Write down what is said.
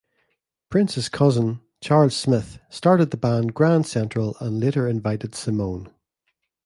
Prince's cousin, Charles Smith started the band Grand Central and later invited Cymone.